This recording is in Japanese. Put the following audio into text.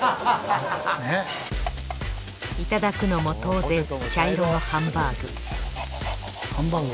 いただくのも当然茶色のハンバーグハンバーグ。